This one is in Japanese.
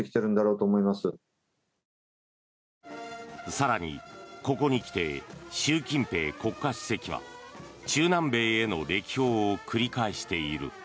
更に、ここにきて習近平国家主席は中南米への歴訪を繰り返している。